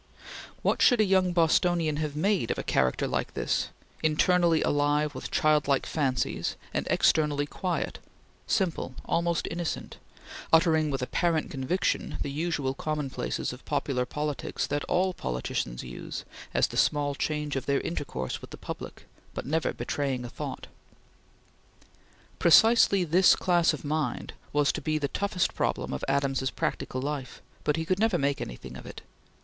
What should a young Bostonian have made of a character like this, internally alive with childlike fancies, and externally quiet, simple, almost innocent; uttering with apparent conviction the usual commonplaces of popular politics that all politicians use as the small change of their intercourse with the public; but never betraying a thought? Precisely this class of mind was to be the toughest problem of Adams's practical life, but he could never make anything of it.